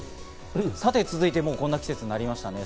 さて続いて、もうこんな季節になりましたね。